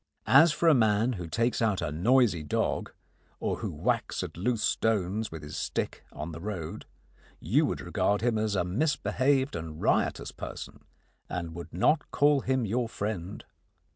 As for a man who takes out a noisy dog, or who whacks at loose stones with his stick on the road, you would regard him as a misbehaved and riotous person and would not call him your friend.